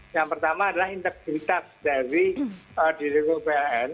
yang pertama adalah integritas dari direktur pln